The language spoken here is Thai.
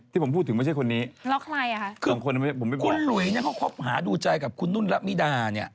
ที่ผมพูดถึงไม่ใช่คนนี้แล้วใครอ่ะคะคุณหลุยเนี่ยเขาคบหาดูใจกับคุณนุ่นละมิดาเนี่ย